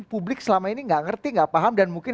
publik selama ini tidak mengerti tidak paham dan mungkin